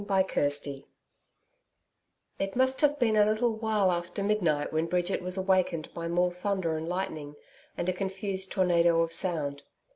CHAPTER 5 It must have been a little while after midnight when Bridget was awakened by more thunder and lightning and a confused tornado of sound.